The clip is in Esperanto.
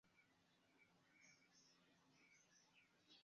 Kelkaj inkluzivas Hasan ibn Ali kiel la kvina bone gvidita kalifo.